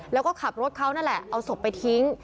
แล้วก็ขับรถเขานั่นแหละเอาศพไปทิ้ง